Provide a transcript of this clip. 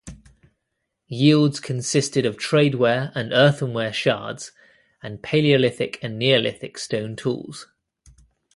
Yields consisted of tradeware and earthenware shards and Palaeolithic and Neolithic stone tools.